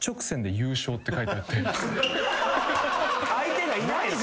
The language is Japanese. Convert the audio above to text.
相手がいないの？